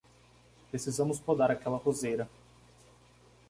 Precisamos podar aquela roseira.